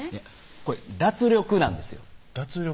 これ脱力なんですよ脱力？